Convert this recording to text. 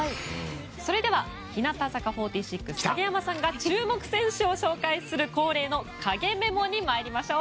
それでは日向坂４６の影山さんが注目選手を紹介する恒例の影メモに参りましょう。